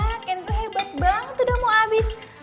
wah kenzo hebat banget udah mau habis